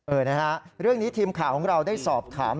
นะฮะเรื่องนี้ทีมข่าวของเราได้สอบถาม